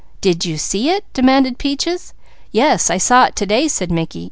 "Did you see it?" demanded Peaches. "Yes, I saw it to day," said Mickey.